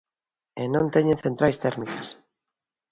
E non teñen centrais térmicas.